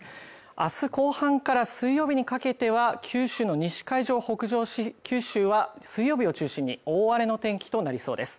明日後半から水曜日にかけては九州の西海上を北上し九州は水曜日を中心に大荒れの天気となりそうです